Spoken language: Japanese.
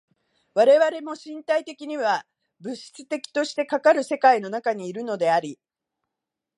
我々も身体的には物質的としてかかる世界の中にいるのであり、